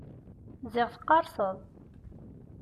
Ziɣ teqqerseḍ!